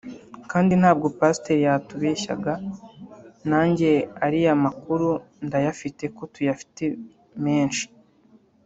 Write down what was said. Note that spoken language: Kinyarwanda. Kandi ntabwo pasiteri yatubeshyaga nanjye ariya makuru ndayafite ko tuyafite menshi